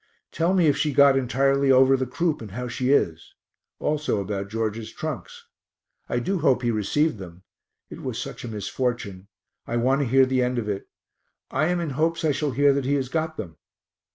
Tell me if she got entirely over the croup and how she is also about George's trunks. I do hope he received them; it was such a misfortune; I want to hear the end of it; I am in hopes I shall hear that he has got them.